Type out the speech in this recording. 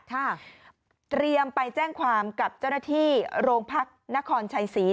เตรียมไปแจ้งความกับเจ้าหน้าที่โรงพักนครชัยศรี